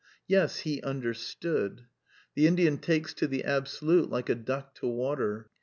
J Yea, he understood/* The Indian takes to the Absolut^"^^ like a duck to water.